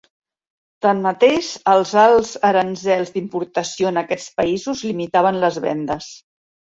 Tanmateix, els alts aranzels d'importació en aquests països limitaven les vendes.